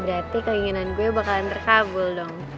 berarti keinginan gue bakalan terkabul dong